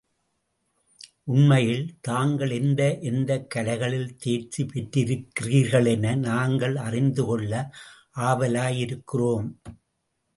உண்மையில் தாங்கள் எந்த எந்தக் கலைகளில் தேர்ச்சி பெற்றிருக்கிறீர்களென நாங்கள் அறிந்துகொள்ள ஆவலாயிருக்கிறோம்.